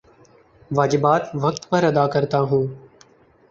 واجبات وقت پر ادا کرتا ہوں